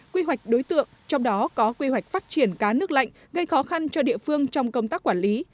quy hoạch đối tượng trong đó có quy hoạch phát triển cá nước lạnh gây khó khăn cho địa phương trong công tác quản lý